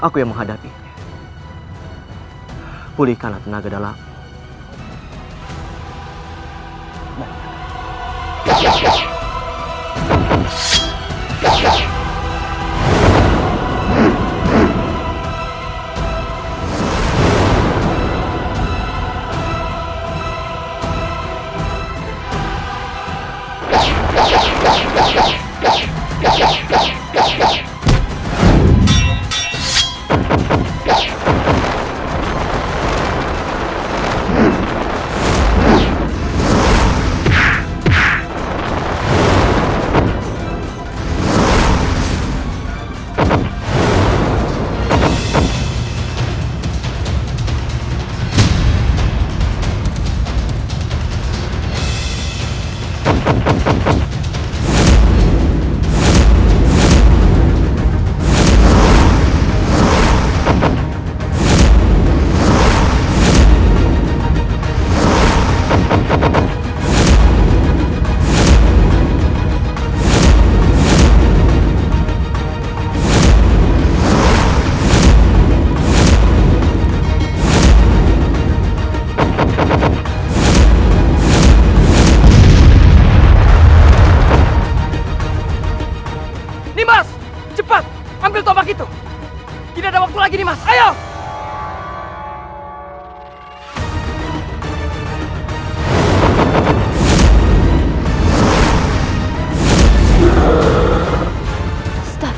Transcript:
tetapi aku tidak memiliki banyak waktu